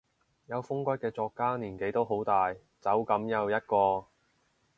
有風骨嘅作家年紀都好大，走噉又一個